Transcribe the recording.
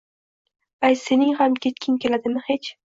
ayt, sening ham ketging keladimi hech